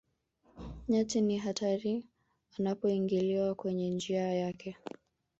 nyati ni hatari anapoingiliwa kwenye njia yake